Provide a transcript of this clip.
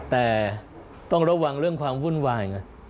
แต่ต้องระวังเรื่องความวุ่นวายไง